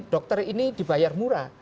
dokter ini dibayar murah